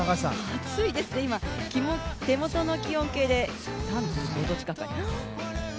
暑いですね、手元の気温計で３５度近くあります。